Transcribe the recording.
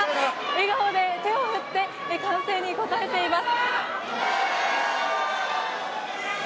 笑顔で手を振って歓声に応えています。